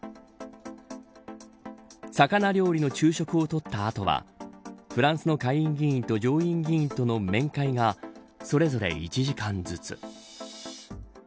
魚料理の昼食をとった後はフランスの下院議員と上院議員との面会がそれぞれ１時間ずつ。